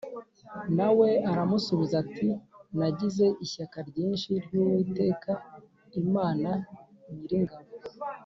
Na we aramusubiza ati “Nagize ishyaka ryinshi ry’Uwiteka Imana Nyiringabo